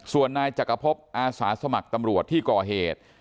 ส่วนนายจักรพบอาสาสมัครตำรวจที่ก่อเหตุ